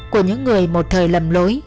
của những người một thời lầm lỗi